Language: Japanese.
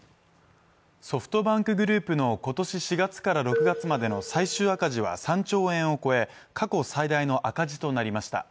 ソフトバンクグループの今年４月から６月までの最終赤字は３兆円を超え過去最大の赤字となりました